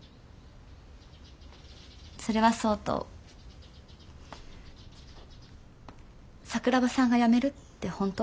それはそうと桜庭さんがやめるって本当？